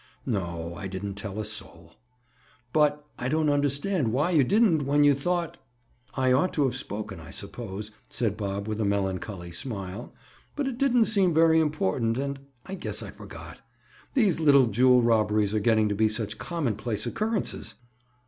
"No, I didn't tell a soul." "But—I don't understand why you didn't when you thought—?" "I ought to have spoken, I suppose," said Bob with a melancholy smile. "But it didn't seem very important and—I guess I forgot. These little jewel robberies are getting to be such commonplace occurrences!"